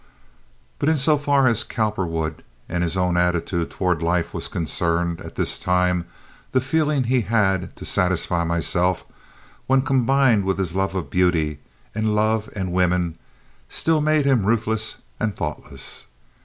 But in so far as Cowperwood and his own attitude toward life was concerned, at this time—the feeling he had—"to satisfy myself"—when combined with his love of beauty and love and women, still made him ruthless and thoughtless.